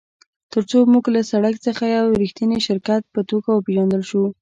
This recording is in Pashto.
ترڅو موږ له سړک څخه د یو ریښتیني شرکت په توګه وپیژندل شو